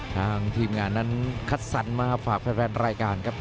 ทางทีมงานนั้นคัดสรรมาฝากแฟนรายการครับ